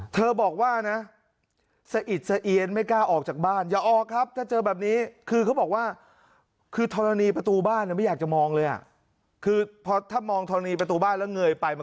เธอบอกว่าสะอิดไม่กล้าออกจากบ้านอย่าออกครับถ้าเจอแบบนี้